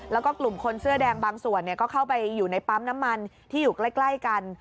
แล้วก็กลุ่มคนเสื้อแดงบางส่วนก็เข้าไปอยู่ในปั๊มน้ำมันที่อยู่ใกล้กัน